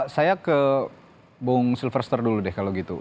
saya ke bung silverster dulu deh kalau gitu